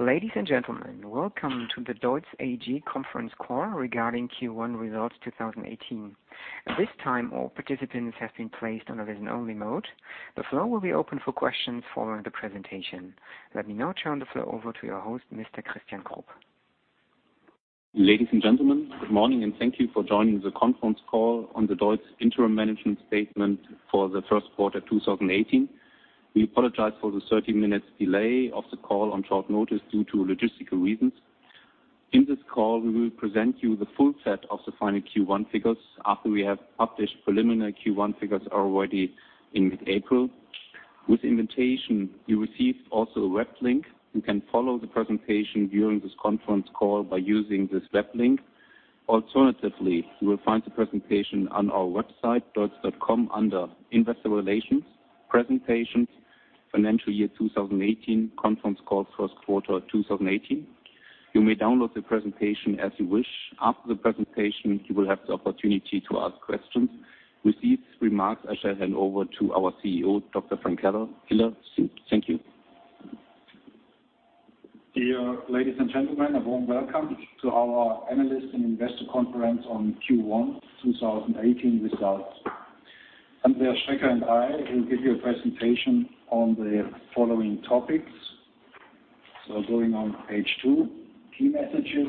Ladies and gentlemen, welcome to the DEUTZ AG Conference Call regarding Q1 results 2018. At this time, all participants have been placed on a listen-only mode. The floor will be open for questions following the presentation. Let me now turn the floor over to your host, Mr. Christian Krupp. Ladies and gentlemen, good morning and thank you for joining the conference call on the DEUTZ Interim Management Statement for the first quarter 2018. We apologize for the 30-minute delay of the call on short notice due to logistical reasons. In this call, we will present you the full set of the final Q1 figures after we have published preliminary Q1 figures already in mid-April. With the invitation, you received also a web link. You can follow the presentation during this conference call by using this web link. Alternatively, you will find the presentation on our website, deutz.com, under Investor Relations, Presentations, Financial Year 2018, Conference Call, First Quarter 2018. You may download the presentation as you wish. After the presentation, you will have the opportunity to ask questions. With these remarks, I shall hand over to our CEO, Dr. Frank Hiller. Thank you. Dear ladies and gentlemen, a warm welcome to our Analysts and Investor Conference on Q1 2018 results. Andreas Streckerand I will give you a presentation on the following topics. Going on page two, key messages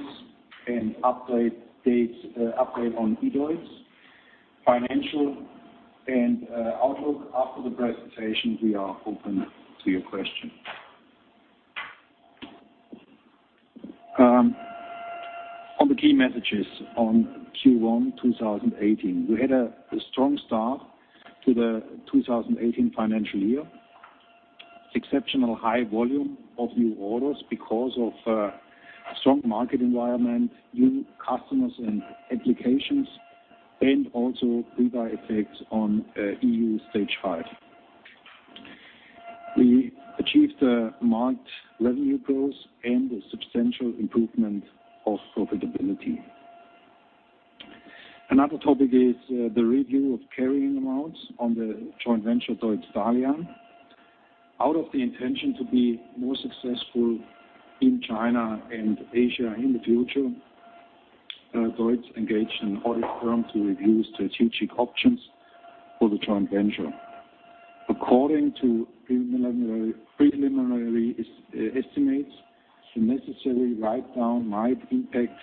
and update on eDEUTZ, financial and outlook. After the presentation, we are open to your questions. On the key messages on Q1 2018, we had a strong start to the 2018 financial year. Exceptionally high volume of new orders because of a strong market environment, new customers and applications, and also river effects on EU stage V. We achieved a marked revenue growth and a substantial improvement of profitability. Another topic is the review of carrying amounts on the joint venture DEUTZ Dalian. Out of the intention to be more successful in China and Asia in the future, DEUTZ engaged an audit firm to review strategic options for the joint venture. According to preliminary estimates, the necessary write-down might impact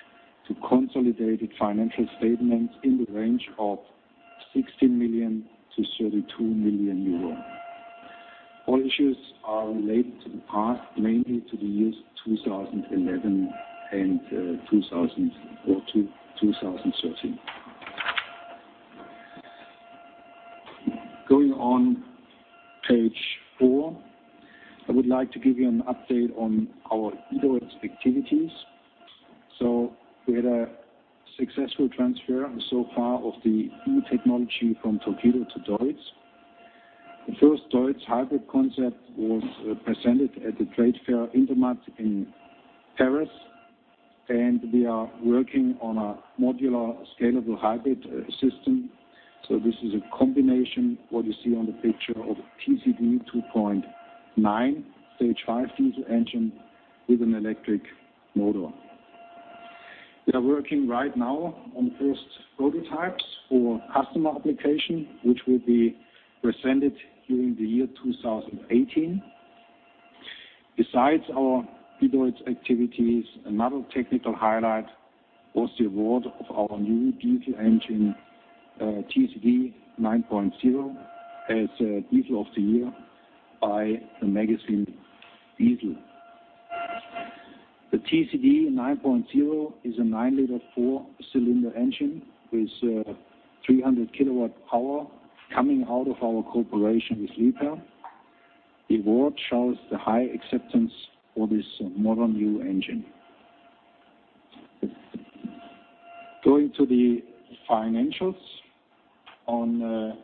the consolidated financial statements in the range of 16 million-32 million euro. All issues are related to the past, mainly to the years 2011 and 2013. Going on page four, I would like to give you an update on our DEUTZ activities. We had a successful transfer so far of the e-technology from Tokyo to DEUTZ. The first DEUTZ hybrid concept was presented at the trade fair Intermat in Paris, and we are working on a modular scalable hybrid system. This is a combination of what you see on the picture of a TCD 2.9 stage V diesel engine with an electric motor. We are working right now on first prototypes for customer application, which will be presented during the year 2018. Besides our eDEUTZ activities, another technical highlight was the award of our new diesel engine, TCD 9.0, as Diesel of the Year by the magazine Diesel. The TCD 9.0 is a 9 L, four-cylinder engine with 300 kilowatt power coming out of our cooperation with Liebherr. The award shows the high acceptance for this modern new engine. Going to the financials on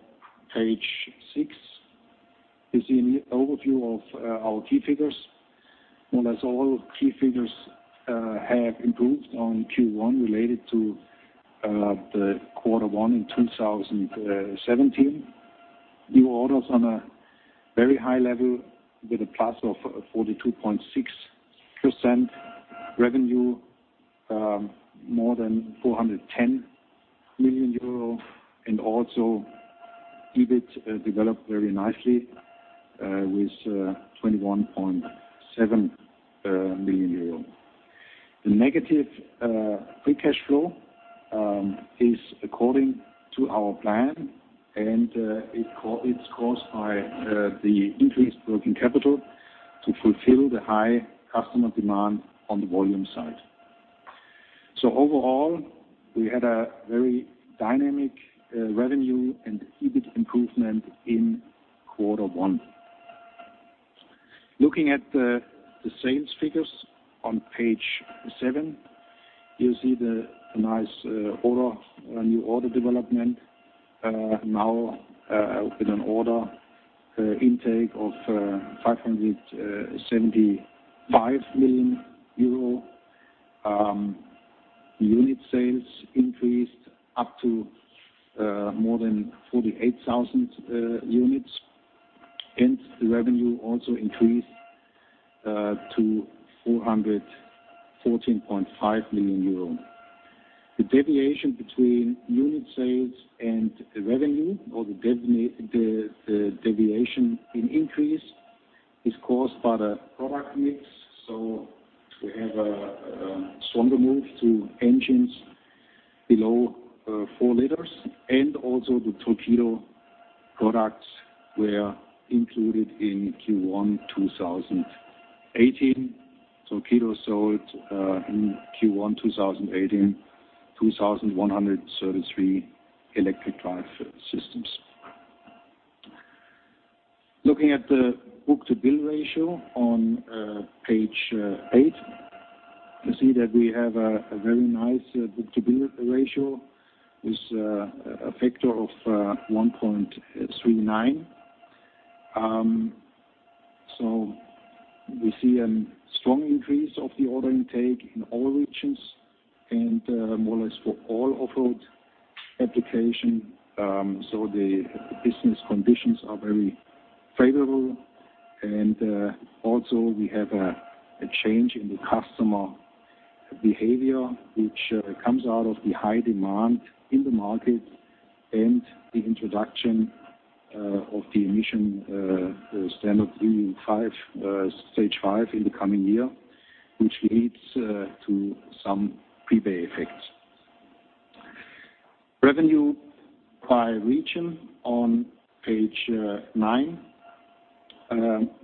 page six, you see an overview of our key figures. More or less all key figures have improved on Q1 related to the quarter one in 2017. New orders on a very high level with a plus of 42.6%, revenue, more than 410 million euro, and also EBIT developed very nicely with 21.7 million euro. The negative free cash flow is according to our plan, and it's caused by the increased working capital to fulfill the high customer demand on the volume side. Overall, we had a very dynamic revenue and EBIT improvement in quarter one. Looking at the sales figures on page seven, you'll see the nice new order development now with an order intake of 575 million euro. Unit sales increased up to more than 48,000 units, and the revenue also increased to 414.5 million euro. The deviation between unit sales and revenue, or the deviation in increase, is caused by the product mix. We have a stronger move to engines below 4 L, and also the Torqeedo products were included in Q1 2018. Torqeedo sold in Q1 2018 2,133 electric drive systems. Looking at the book-to-bill ratio on page eight, you see that we have a very nice book-to-bill ratio with a factor of 1.39. We see a strong increase of the order intake in all regions and more or less for all off-road applications. The business conditions are very favorable, and also we have a change in the customer behavior, which comes out of the high demand in the market and the introduction of the emission standard EU stage V in the coming year, which leads to some prepay effects. Revenue by region on page nine,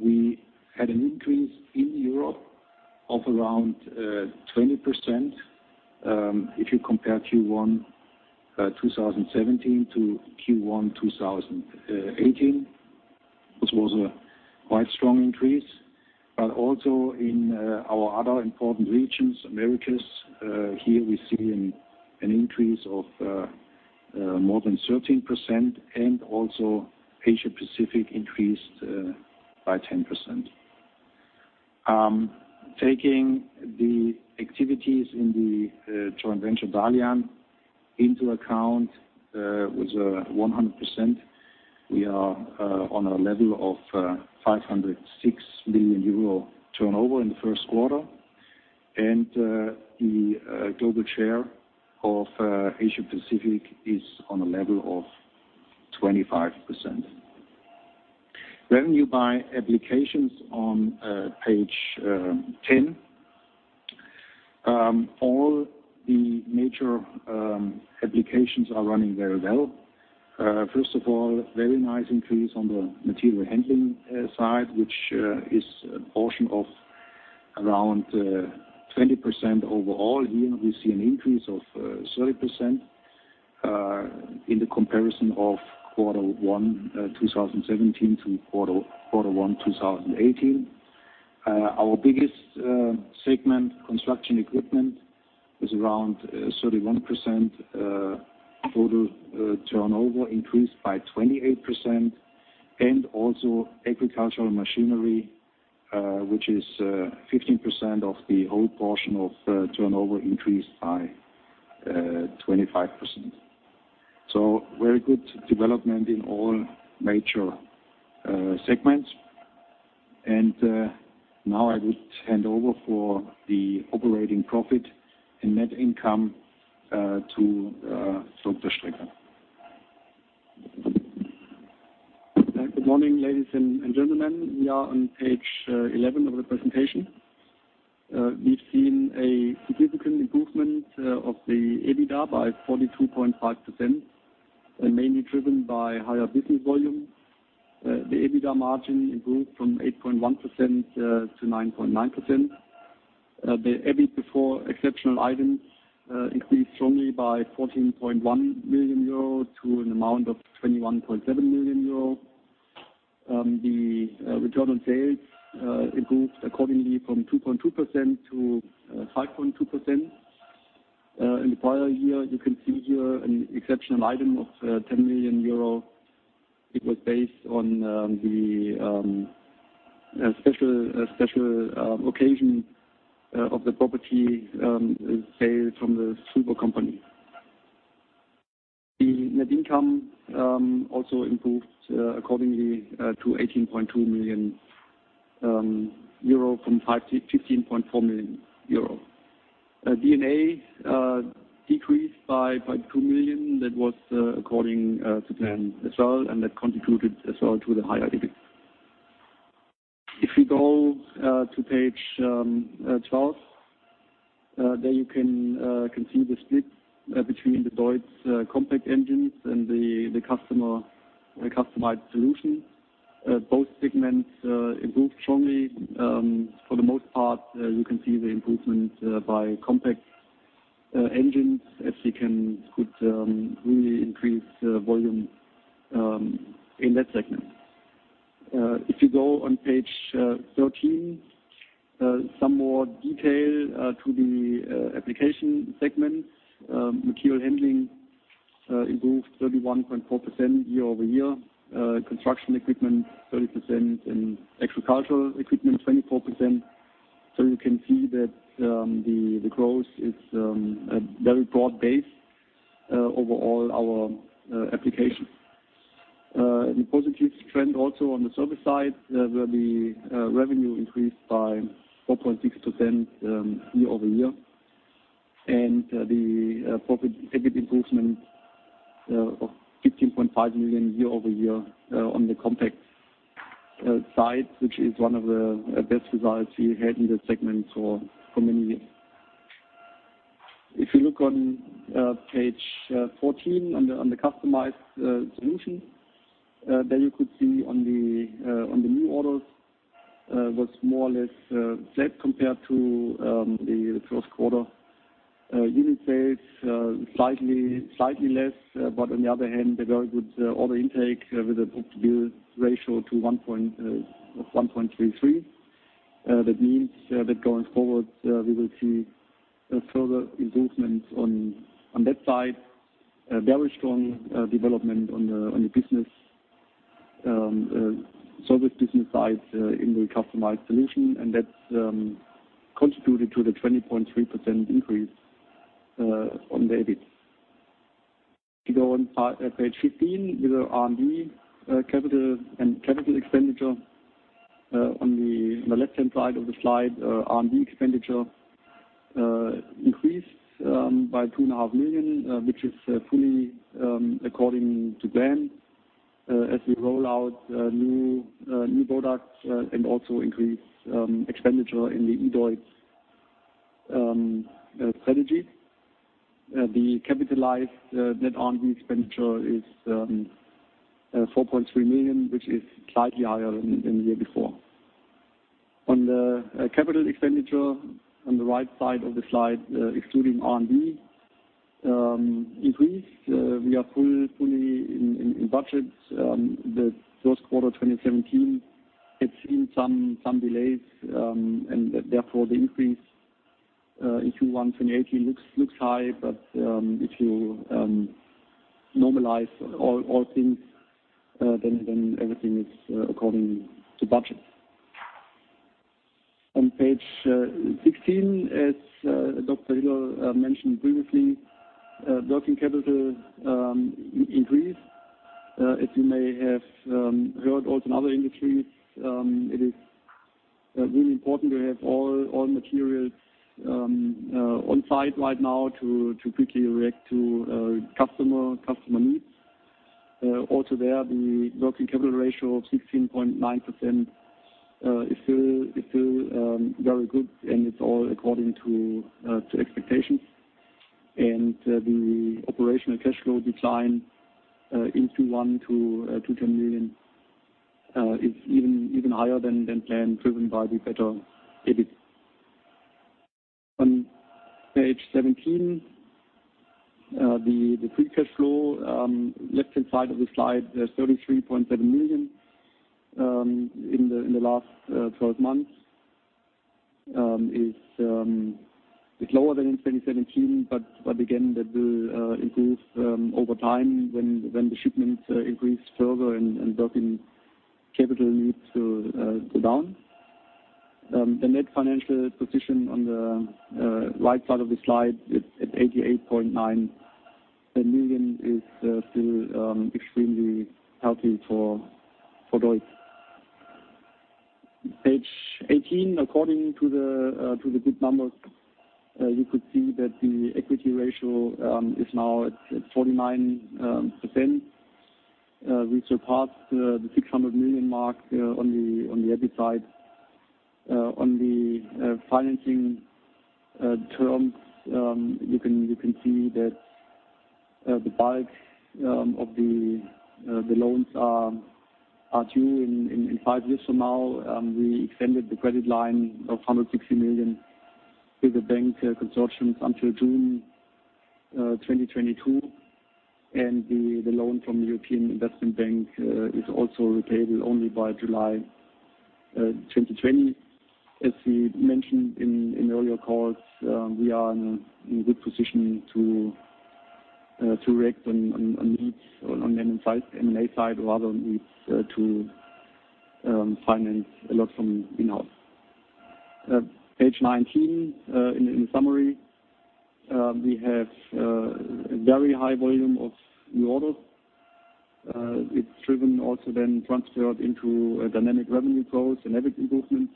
we had an increase in Europe of around 20% if you compare Q1 2017 to Q1 2018. This was a quite strong increase, but also in our other important regions, Americas, here we see an increase of more than 13%, and also Asia-Pacific increased by 10%. Taking the activities in the joint venture Dalian into account with 100%, we are on a level of 506 million euro turnover in the first quarter, and the global share of Asia-Pacific is on a level of 25%. Revenue by applications on page ten, all the major applications are running very well. First of all, very nice increase on the material handling side, which is a portion of around 20% overall. Here we see an increase of 30% in the comparison of quarter one 2017 to quarter one 2018. Our biggest segment, construction equipment, is around 31% total turnover, increased by 28%, and also agricultural machinery, which is 15% of the whole portion of turnover, increased by 25%. Very good development in all major segments. Now I would hand over for the operating profit and net income to Dr. Strecker. Good morning, ladies and gentlemen. We are on page 11 of the presentation. We've seen a significant improvement of the EBITDA by 42.5%, mainly driven by higher business volume. The EBITDA margin improved from 8.1% to 9.9%. The EBIT before exceptional items increased strongly by 14.1 million euro to an amount of 21.7 million euro. The return on sales improved accordingly from 2.2% to 5.2%. In the prior year, you can see here an exceptional item of 10 million euro. It was based on the special occasion of the property sale from the Schubert company. The net income also improved accordingly to 18.2 million euro from 15.4 million euro. DNA decreased by 2 million. That was according to plan as well, and that contributed as well to the higher EBIT. If we go to page 12, there you can see the split between the DEUTZ compact engines and the customized solution. Both segments improved strongly. For the most part, you can see the improvement by compact engines, as you can put really increased volume in that segment. If you go on page 13, some more detail to the application segments. Material handling improved 31.4% year over year. Construction equipment 30% and agricultural equipment 24%. You can see that the growth is a very broad base over all our applications. The positive trend also on the service side where the revenue increased by 4.6% year over year, and the profit EBIT improvement of 15.5 million year over year on the compact side, which is one of the best results we had in the segment for many years. If you look on page 14 on the customized solution, there you could see on the new orders was more or less flat compared to the first quarter. Unit sales slightly less, but on the other hand, a very good order intake with a book-to-bill ratio to 1.33. That means that going forward, we will see further improvements on that side. Very strong development on the service business side in the customized solution, and that's contributed to the 20.3% increase on the EBIT. If you go on page 15 with R&D capital and capital expenditure, on the left-hand side of the slide, R&D expenditure increased by 2.5 million, which is fully according to plan as we roll out new products and also increase expenditure in the eDEUTZ strategy. The capitalized net R&D expenditure is 4.3 million, which is slightly higher than the year before. On the capital expenditure, on the right side of the slide, excluding R&D, increased. We are fully in budget. The first quarter 2017 had seen some delays, and therefore the increase in Q1 2018 looks high, but if you normalize all things, then everything is according to budget. On page 16, as Dr. Hiller mentioned previously, working capital increased. As you may have heard also in other industries, it is really important to have all materials on site right now to quickly react to customer needs. Also there, the working capital ratio of 16.9% is still very good, and it's all according to expectations. The operational cash flow decline in Q1 to 10 million is even higher than planned, driven by the better EBIT. On page 17, the free cash flow, left-hand side of the slide, 33.7 million in the last 12 months. It's lower than in 2017, but again, that will improve over time when the shipments increase further and working capital needs go down. The net financial position on the right side of the slide at 88.9 million is still extremely healthy for DEUTZ. Page 18, according to the good numbers, you could see that the equity ratio is now at 49%. We surpassed the 600 million mark on the EBIT side. On the financing terms, you can see that the bulk of the loans are due in five years from now. We extended the credit line of 160 million with the bank consortiums until June 2022, and the loan from the European Investment Bank is also repayable only by July 2020. As we mentioned in earlier calls, we are in a good position to react on needs on the M&A side or other needs to finance a lot from in-house. Page 19, in the summary, we have a very high volume of new orders. It's driven also then transferred into dynamic revenue growth and EBIT improvements.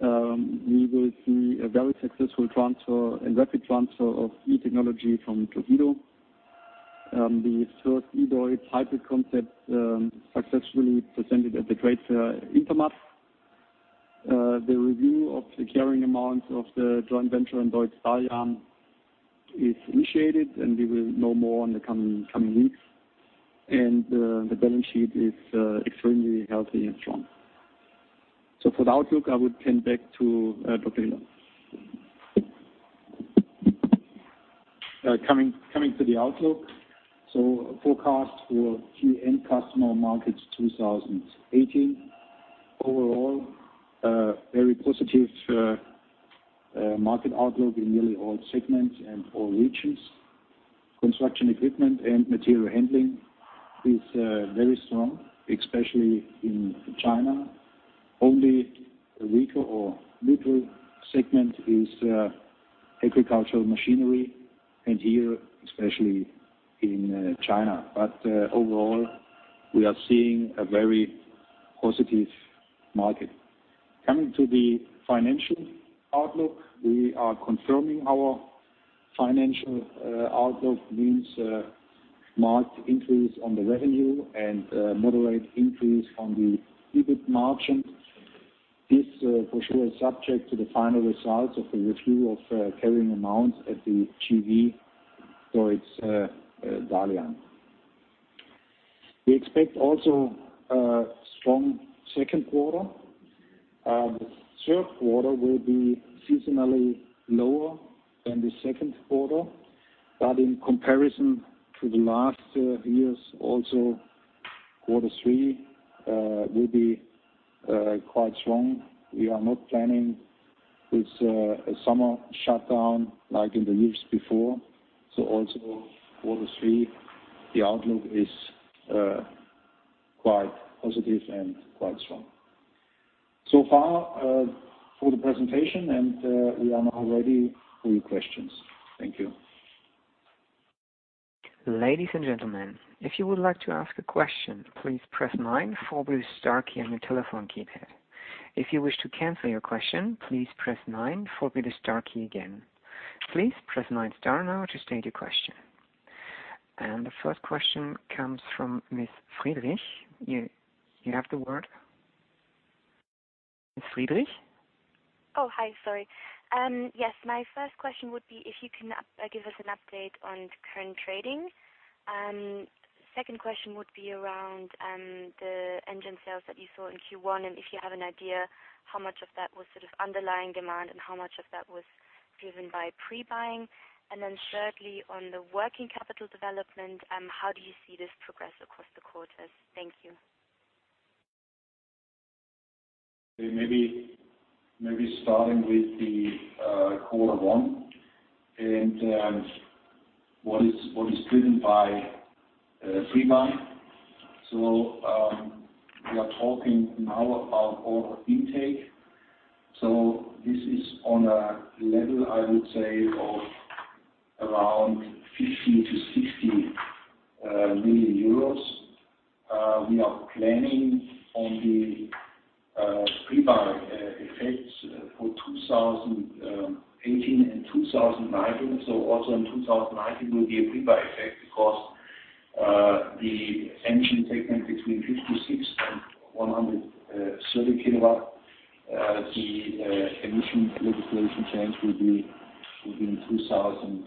We will see a very successful transfer and rapid transfer of key technology from Torqeedo. The first eDEUTZ hybrid concept successfully presented at the trade fair Intermat. The review of the carrying amounts of the joint venture and DEUTZ Dalian is initiated, and we will know more in the coming weeks. The balance sheet is extremely healthy and strong. For the outlook, I would hand back to Dr. Hiller. Coming to the outlook, forecast for Q1 customer market 2018. Overall, very positive market outlook in nearly all segments and all regions. Construction equipment and material handling is very strong, especially in China. Only a weaker or neutral segment is agricultural machinery, and here especially in China. Overall, we are seeing a very positive market. Coming to the financial outlook, we are confirming our financial outlook means marked increase on the revenue and moderate increase on the EBIT margin. This for sure is subject to the final results of the review of carrying amounts at the JV DEUTZ Dalian. We expect also a strong second quarter. The third quarter will be seasonally lower than the second quarter, but in comparison to the last years, also quarter three will be quite strong. We are not planning with a summer shutdown like in the years before. Quarter three, the outlook is quite positive and quite strong. So far for the presentation, and we are now ready for your questions. Thank you. Ladies and gentlemen, if you would like to ask a question, please press nine forward to the star key on your telephone keypad. If you wish to cancel your question, please press nine forward to the star key again. Please press nine star now to state your question. The first question comes from Ms. Friedrich. You have the word. Ms. Friedrich? Oh, hi, sorry. Yes, my first question would be if you can give us an update on current trading. Second question would be around the engine sales that you saw in Q1, and if you have an idea how much of that was sort of underlying demand and how much of that was driven by pre-buying. Thirdly, on the working capital development, how do you see this progress across the quarters? Thank you. Maybe starting with the quarter one and what is driven by pre-buying. We are talking now about order intake. This is on a level, I would say, of around 50 million-60 million euros. We are planning on the pre-buy effects for 2018 and 2019. Also in 2019 will be a pre-buy effect because the engine segment between 56 kW and 130 kW, the emission legislation change will be in 2020.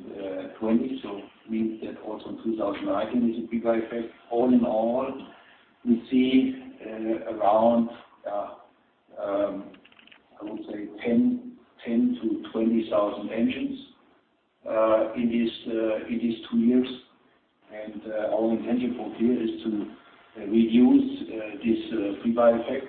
This means that also in 2019 is a pre-buy effect. All in all, we see around, I would say, 10,000-20,000 engines in these two years. Our intention for here is to reduce this pre-buy effect.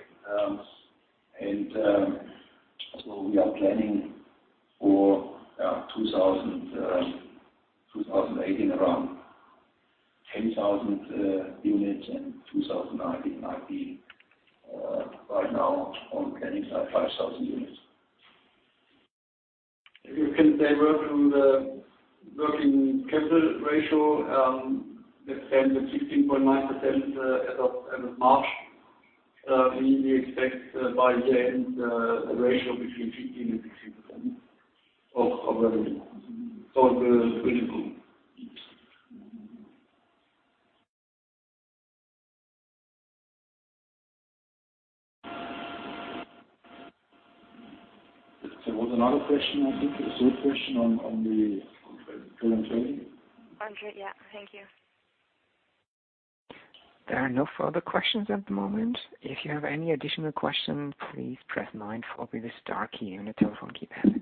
We are planning for 2018 around 10,000 units, and 2019 might be right now on planning side 5,000 units. If you can say working capital ratio, that stands at 16.9% as of March, we expect by year-end a ratio between 15%-16% of revenue. It will improve. There was another question, I think, a third question on the current trading. Andreas, yeah. Thank you. There are no further questions at the moment. If you have any additional questions, please press nine forward to the star key on your telephone keypad.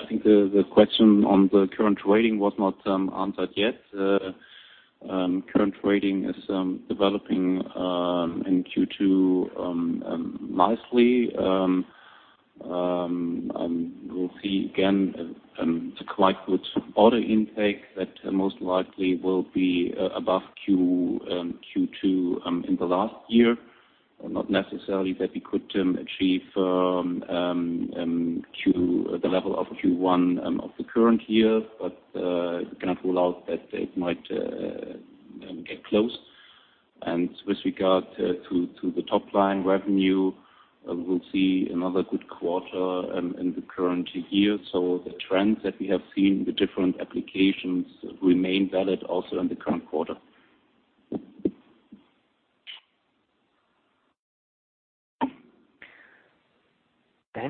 I think the question on the current rating was not answered yet. Current rating is developing in Q2 nicely. We'll see again a quite good order intake that most likely will be above Q2 in the last year. Not necessarily that we could achieve the level of Q1 of the current year, but we cannot rule out that it might get close. With regard to the top line revenue, we will see another good quarter in the current year. The trends that we have seen in the different applications remain valid also in the current quarter.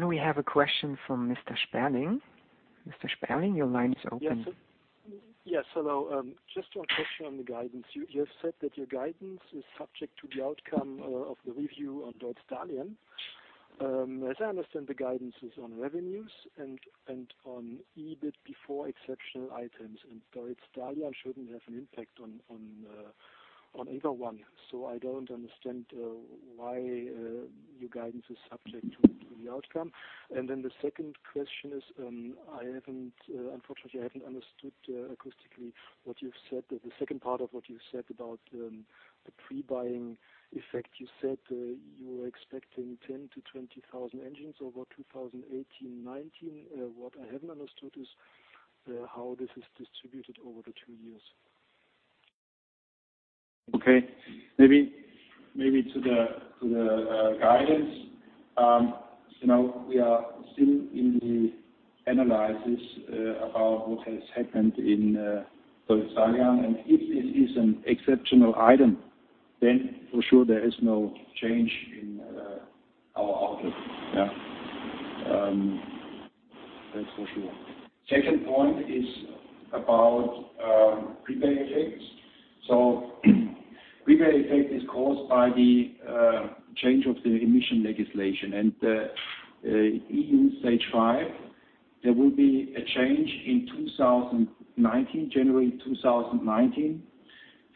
We have a question from Mr. Sperling. Mr. Sperling, your line is open. Yes, hello. Just one question on the guidance. You have said that your guidance is subject to the outcome of the review on DEUTZ Dalian. As I understand, the guidance is on revenues and on EBIT before exceptional items, and DEUTZ Dalian shouldn't have an impact on either one. I don't understand why your guidance is subject to the outcome. The second question is, unfortunately, I haven't understood acoustically what you've said, the second part of what you've said about the pre-buying effect. You said you were expecting 10,000-20,000 engines over 2018, 2019. What I haven't understood is how this is distributed over the two years. Okay. Maybe to the guidance, we are still in the analysis about what has happened in DEUTZ Dalian, and if this is an exceptional item, then for sure there is no change in our outlook. Yeah. That's for sure. The second point is about pre-buy effects. Pre-buy effect is caused by the change of the emission legislation. EU Stage V, there will be a change in 2019, January 2019,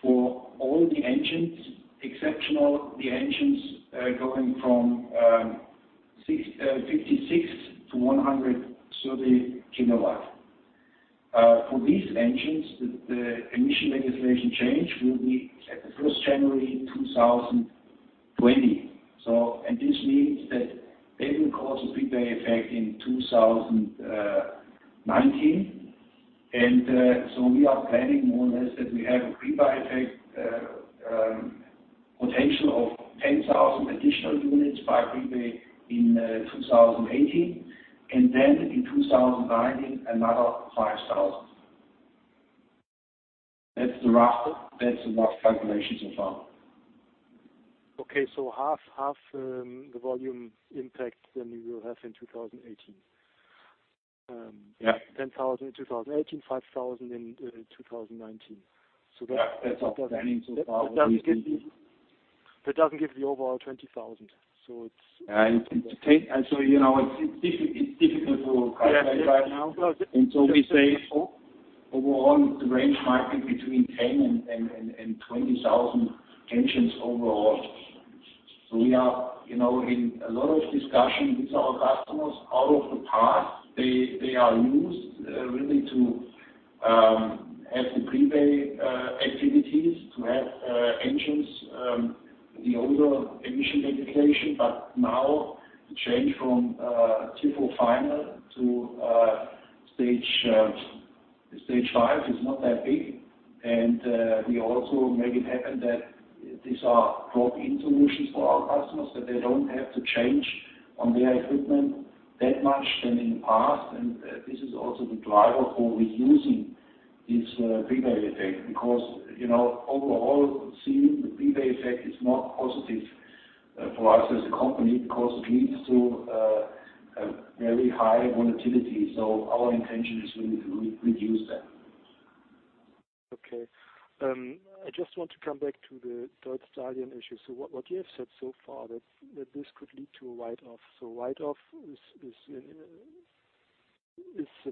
for all the engines, except the engines going from 56 to 130 kilowatt. For these engines, the emission legislation change will be at the 1st January 2020. This means that they will cause a pre-buy effect in 2019. We are planning more or less that we have a pre-buy effect potential of 10,000 additional units by pre-buy in 2018, and then in 2019, another 5,000. That is the rough calculation so far. Okay. Half the volume impact than you will have in 2018. 10,000 in 2018, 5,000 in 2019. That is our planning so far. That does not give the overall 20,000. It is difficult to calculate right now. We say overall, it is a range market between 10,000-20,000 engines overall. We are in a lot of discussion with our customers out of the past. They are used really to have the pre-buy activities, to have engines, the older emission legislation. Now the change from TIFO final to stage five is not that big. We also make it happen that these are drop-in solutions for our customers, that they do not have to change on their equipment that much than in the past. This is also the driver for reducing this pre-buy effect because overall, seeing the pre-buy effect is not positive for us as a company because it leads to very high volatility. Our intention is really to reduce that. Okay. I just want to come back to the DEUTZ Dalian issue. What you have said so far, that this could lead to a write-off. Write-off is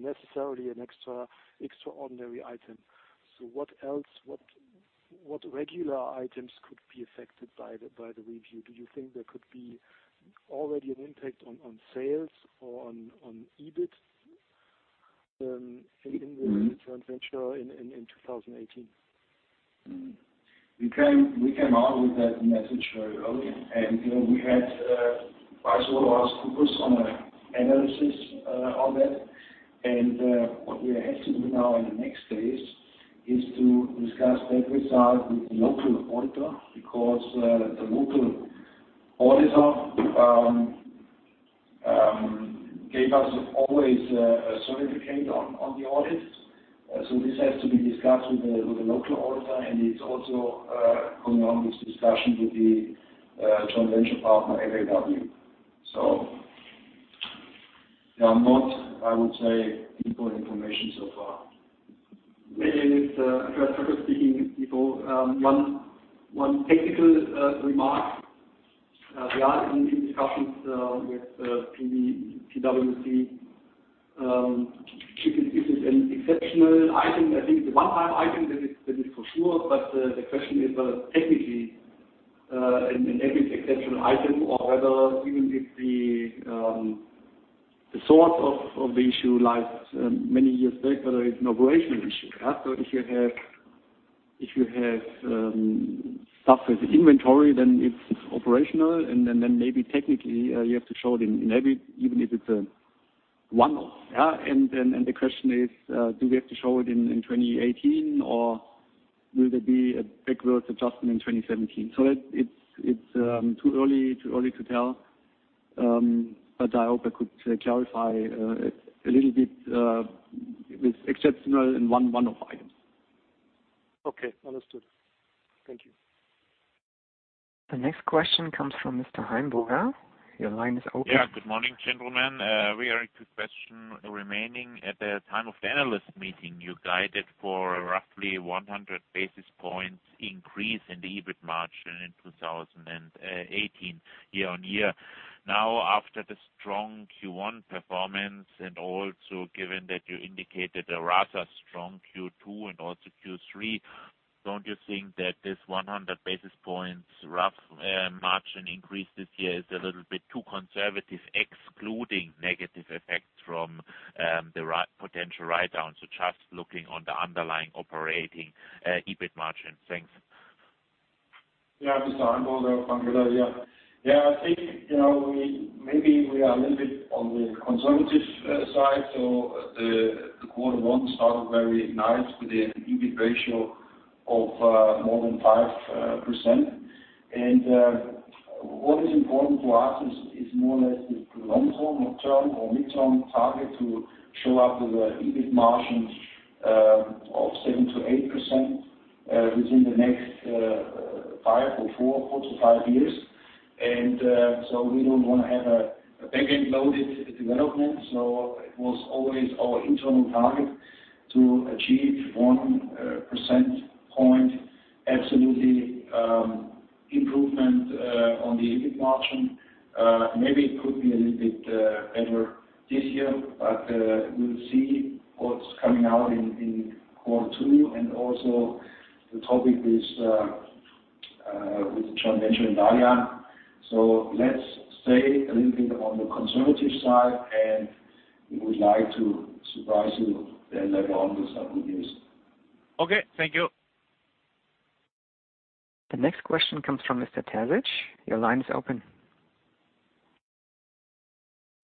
necessarily an extraordinary item. What else? What regular items could be affected by the review? Do you think there could be already an impact on sales or on EBIT in the joint venture in 2018? We came out with that message very early. We had quite a lot of our supporters on an analysis on that. What we have to do now in the next days is to discuss that result with the local auditor because the local auditor gave us always a certificate on the audit. This has to be discussed with the local auditor, and it is also going on, this discussion with the joint venture partner, FAW. There are not, I would say, important information so far. Maybe with a first-order speaking, Tito, one technical remark. We are in discussions with PwC. Is it an exceptional item? I think it is a one-time item, that is for sure, but the question is whether technically an EBIT exceptional item or whether, even if the source of the issue lies many years back, whether it is an operational issue. If you have stuff with inventory, then it's operational, and then maybe technically you have to show it in EBIT, even if it's a one-off. The question is, do we have to show it in 2018, or will there be a backwards adjustment in 2017? It's too early to tell, but I hope I could clarify a little bit with exceptional and one-off items. Okay. Understood. Thank you. The next question comes from Mr. Heimbauer. Your line is open. Yeah. Good morning, gentlemen. Very quick question. Remaining at the time of the analyst meeting, you guided for roughly 100 basis points increase in the EBIT margin in 20 8 year-on-year. Now, after the strong Q1 performance and also given that you indicated a rather strong Q2 and also Q3, don't you think that this 100 basis points rough margin increase this year is a little bit too conservative, excluding negative effects from the potential write-down? So just looking on the underlying operating EBIT margin. Thanks. Yeah. Mr. Heimbauer, I'm glad. Yeah. Yeah. I think maybe we are a little bit on the conservative side. The quarter one started very nice with an EBIT ratio of more than 5%. What is important to us is more or less the long-term or mid-term target to show up with an EBIT margin of 7%-8% within the next five or four, four to five years. We don't want to have a back-end loaded development. It was always our internal target to achieve 1 percentage point absolutely improvement on the EBIT margin. Maybe it could be a little bit better this year, but we will see what is coming out in quarter two. Also the topic with the joint venture in Dalian. Let us stay a little bit on the conservative side, and we would like to surprise you later on with some good news. Okay. Thank you. The next question comes from Mr. Tezic. Your line is open.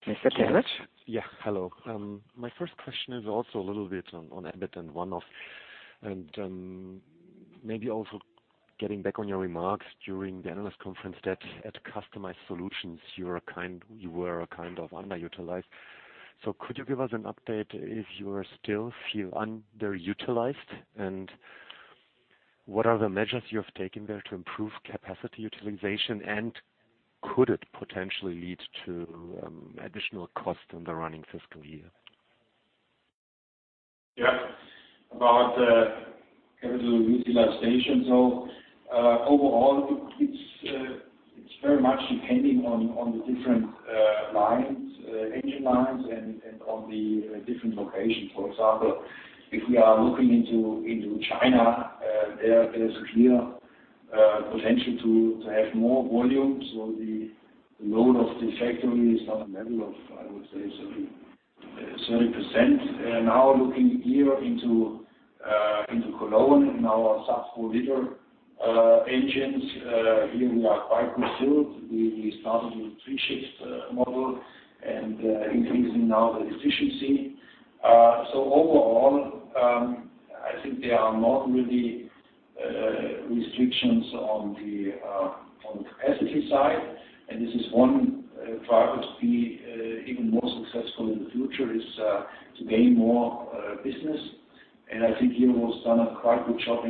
Mr. Tezic? Yeah. Hello. My first question is also a little bit on EBIT and one-off. Maybe also getting back on your remarks during the analyst conference that at customized solutions, you were kind of underutilized. Could you give us an update if you still feel underutilized? What are the measures you have taken there to improve capacity utilization and could it potentially lead to additional costs in the running fiscal year? Yeah. About capital utilization. Overall, it's very much depending on the different lines, engine lines, and on the different locations. For example, if we are looking into China, there is a clear potential to have more volume. The load of the factory is on the level of, I would say, 30%. Now looking here into Cologne in our sub-4 L engines, here we are quite good filled. We started with a three-shift model and are increasing now the efficiency. Overall, I think there are not really restrictions on the capacity side. This is one driver to be even more successful in the future, to gain more business. I think here was done a quite good job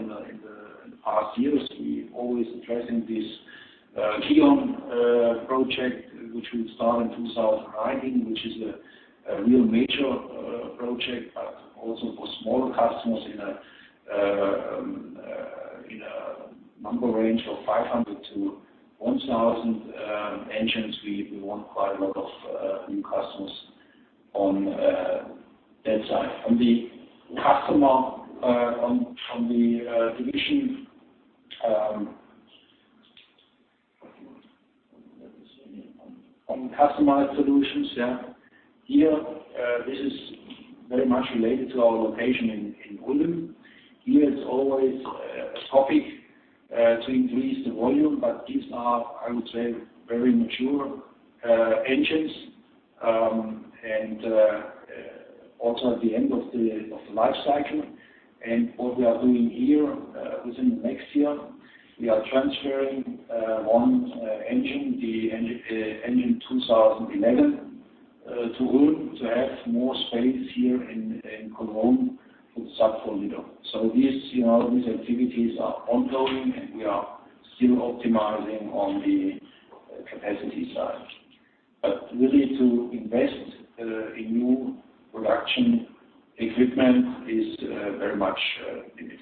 in the past years. We're always addressing this Kion project, which will start in 2019, which is a real major project, but also for smaller customers in a number range of 500-1,000 engines. We want quite a lot of new customers on that side. On the customer on the division, on customized solutions, yeah, here, this is very much related to our location in Ulm. Here, it's always a topic to increase the volume, but these are, I would say, very mature engines and also at the end of the life cycle. What we are doing here within the next year, we are transferring one engine, the 2011 engine, to Ulm to have more space here in Cologne for the sub-4 L. These activities are ongoing, and we are still optimizing on the capacity side. Really, to invest in new production equipment is very much limited.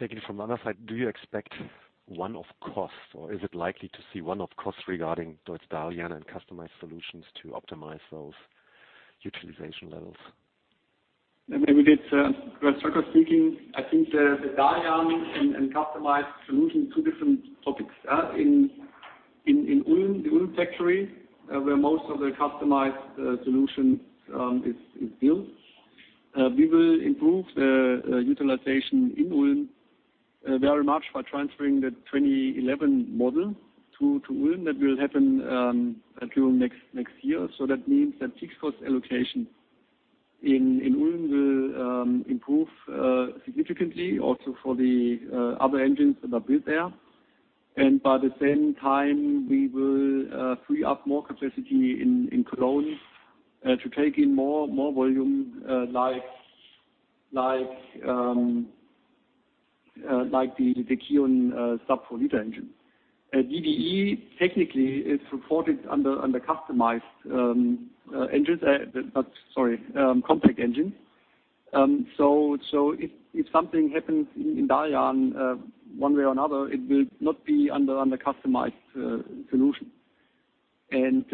Taking it from the other side, do you expect one-off costs, or is it likely to see one-off costs regarding DEUTZ Dalian and customized solutions to optimize those utilization levels? Maybe with a first-order speaking, I think the Dalian and customized solutions, two different topics. In Ulm, the Ulm factory, where most of the customized solutions is built, we will improve the utilization in Ulm very much by transferring the 2011 model to Ulm. That will happen during next year. That means that fixed cost allocation in Ulm will improve significantly also for the other engines that are built there. At the same time, we will free up more capacity in Cologne to take in more volume like the Kion sub-4 L engine. DDE technically is reported under customized engines, sorry, compact engines. If something happens in Dalian one way or another, it will not be under customized solution. Again,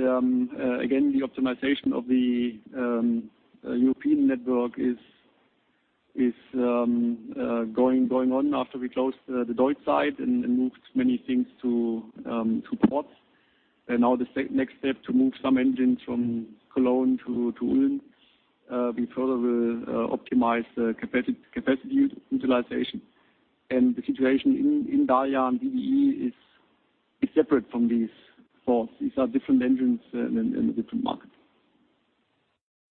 the optimization of the European network is going on after we closed the DEUTZ site and moved many things to Porz. Now the next step to move some engines from Cologne to Ulm, we further will optimize capacity utilization. The situation in Dalian DDE is separate from these four. These are different engines in a different market.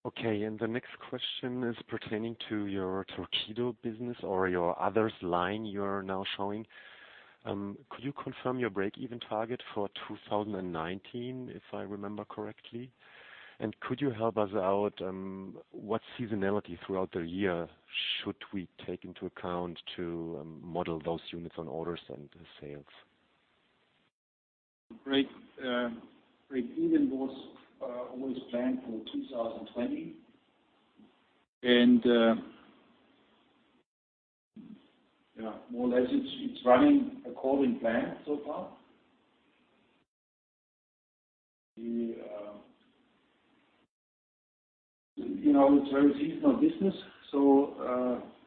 Okay. The next question is pertaining to your Torqeedo business or your others line you are now showing. Could you confirm your break-even target for 2019, if I remember correctly? Could you help us out? What seasonality throughout the year should we take into account to model those units on orders and sales? Break-even was always planned for 2020. More or less, it is running according to plan so far It's a very seasonal business.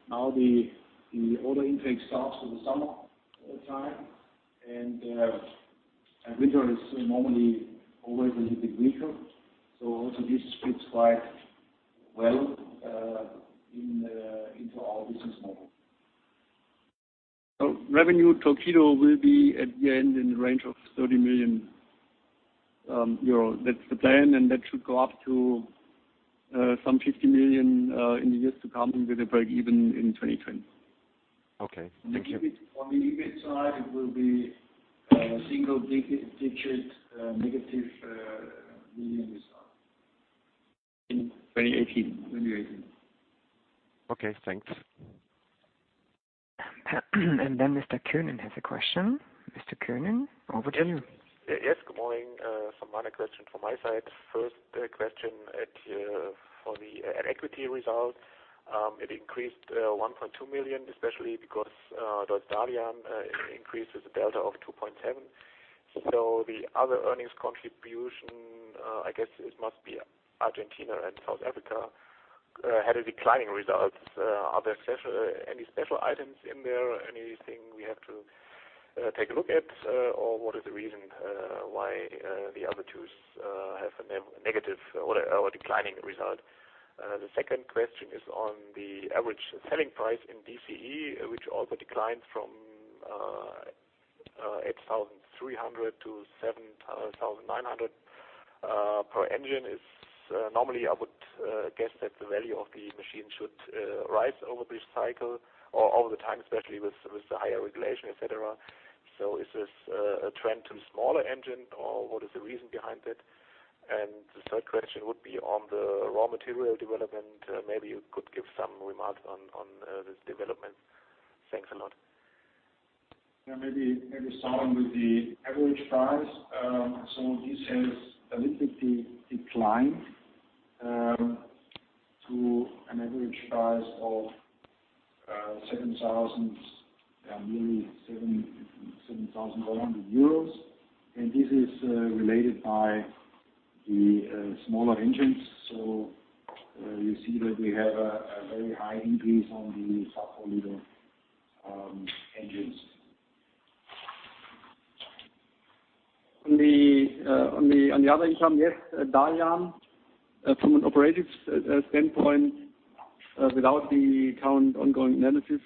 Now the order intake starts in the summertime, and winter is normally always a little bit weaker. This fits quite well into our business model. Revenue torpedo will be at the end in the range of 30 million euro. That's the plan, and that should go up to some 50 million in the years to come with a break-even in 2020. Okay. Thank you. On the EBIT side, it will be single-digit negative million this time. In 2018. 2018. Okay. Thanks. Mr. Koenen has a question. Mr. Koenen, over to you. Yes. Good morning. Some minor questions from my side. First question for the equity result. It increased 1.2 million, especially because DEUTZ Dalian increased with a delta of 2.7 million. The other earnings contribution, I guess it must be Argentina and South Africa, had a declining result. Are there any special items in there? Anything we have to take a look at? What is the reason why the other two have a negative or declining result? The second question is on the average selling price in DCE, which also declines from 8,300 to 7,900 per engine. Normally, I would guess that the value of the machine should rise over this cycle or over the time, especially with the higher regulation, etc. Is this a trend to smaller engine? What is the reason behind that? The third question would be on the raw material development. Maybe you could give some remarks on this development. Thanks a lot. Maybe starting with the average price. This has a little bit declined to an average price of 7,100 euros. This is related by the smaller engines. You see that we have a very high increase on the sub-4 L engines. On the other exam, yes, Dalian, from an operative standpoint, without the current ongoing analysis,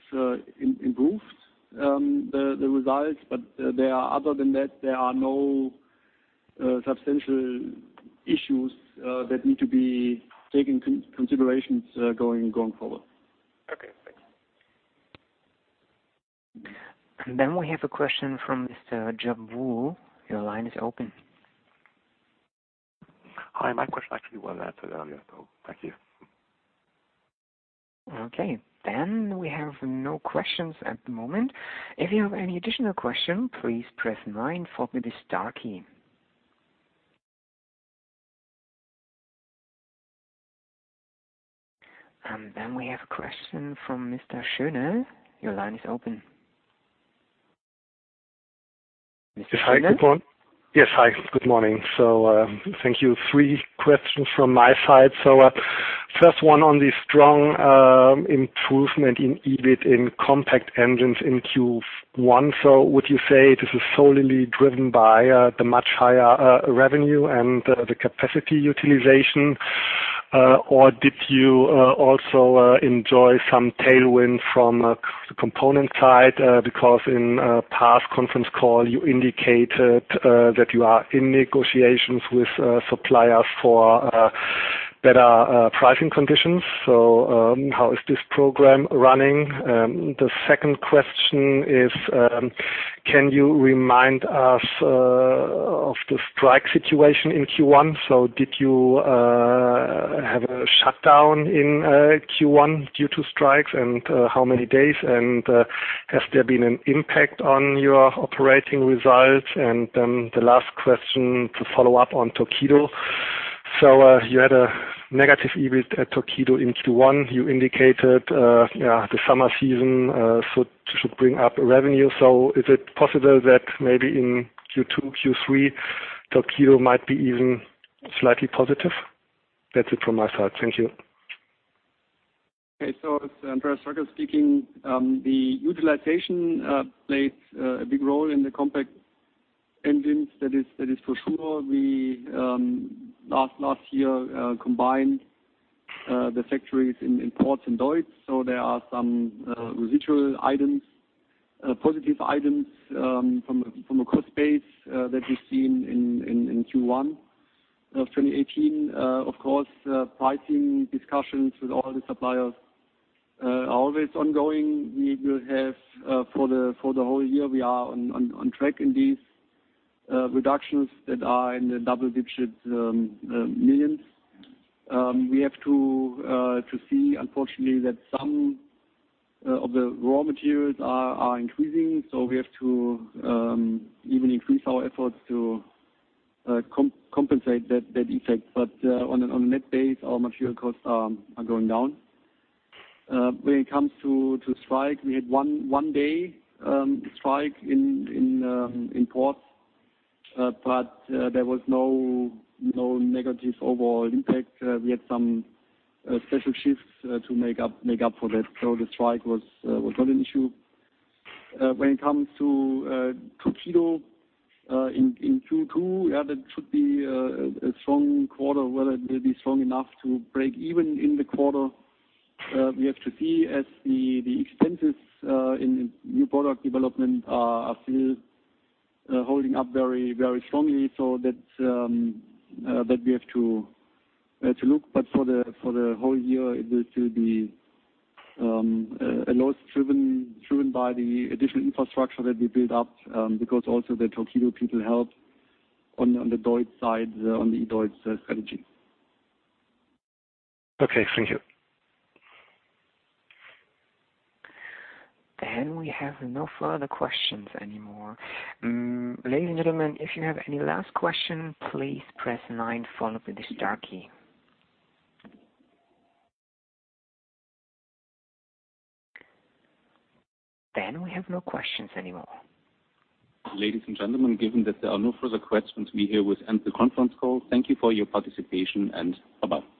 improved the result. Other than that, there are no substantial issues that need to be taken into consideration going forward. Okay. Thanks. We have a question from Mr. Jaboo. Your line is open. Hi. My question actually was answered earlier, so thank you. Okay. We have no questions at the moment. If you have any additional question, please press nine and follow the star key. We have a question from Mr. Schöne. Your line is open. Mr. Schöne? Yes. Hi. Good morning. Thank you. Three questions from my side. The first one on the strong improvement in EBIT in compact engines in Q1. Would you say this is solely driven by the much higher revenue and the capacity utilization, or did you also enjoy some tailwind from the component side? Because in a past conference call, you indicated that you are in negotiations with suppliers for better pricing conditions. How is this program running? The second question is, can you remind us of the strike situation in Q1? Did you have a shutdown in Q1 due to strikes? How many days? Has there been an impact on your operating results? The last question to follow up on Torqeedo. You had a negative EBIT at Torqeedo in Q1. You indicated the summer season should bring up revenue. Is it possible that maybe in Q2, Q3, Torqeedo might be even slightly positive? That's it from my side. Thank you. Okay. So it's Andreas Strecker speaking. The utilization plays a big role in the compact engines. That is for sure. Last year, combined the factories in Porz in DEUTZ. There are some residual items, positive items from a cost base that we've seen in Q1 of 2018. Of course, pricing discussions with all the suppliers are always ongoing. We will have for the whole year, we are on track in these reductions that are in the double-digit millions. We have to see, unfortunately, that some of the raw materials are increasing. We have to even increase our efforts to compensate that effect. On a net base, our material costs are going down. When it comes to strike, we had one day strike in Porz, but there was no negative overall impact. We had some special shifts to make up for that. The strike was not an issue. When it comes to Torqeedo in Q2, yeah, that should be a strong quarter, whether it will be strong enough to break even in the quarter. We have to see as the expenses in new product development are still holding up very strongly. We have to look. For the whole year, it will still be a loss driven by the additional infrastructure that we build up because also the Torqeedo people help on the DEUTZ side, on the DEUTZ strategy. Okay. Thank you. We have no further questions anymore. Ladies and gentlemen, if you have any last question, please press 9 and follow the star key. We have no questions anymore. Ladies and gentlemen, given that there are no further questions, we here will end the conference call Thank you for your participation, and bye-bye.